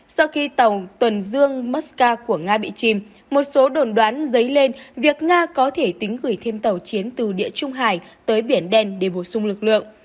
sau khi tàu tuần dương maska của nga bị chìm một số đồn đoán dấy lên việc nga có thể tính gửi thêm tàu chiến từ địa trung hải tới biển đen để bổ sung lực lượng